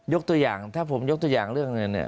ยกตัวอย่างถ้าผมยกตัวอย่างเรื่องนี้